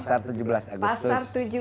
pasar tujuh belas agustus